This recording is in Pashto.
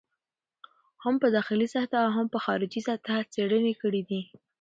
هم په داخلي سطحه او هم په خارجي سطحه څېړنه کړې دي.